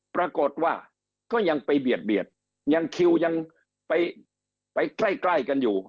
ปรากฏว่าก็ยังไปเบียดยังคิวยังไปใกล้กันอยู่